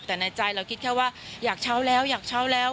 แต่ในใจเราคิดแค่ว่าอยากเช้าแล้วอยากเช้าแล้ว